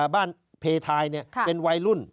เพทายเป็นวัยรุ่น